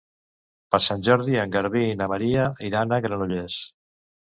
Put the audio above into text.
Per Sant Jordi en Garbí i na Maria iran a Granollers.